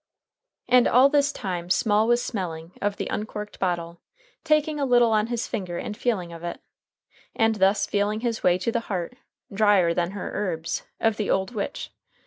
And all this time Small was smelling of the uncorked bottle, taking a little on his finger and feeling of it, and thus feeling his way to the heart drier than her herbs of the old witch.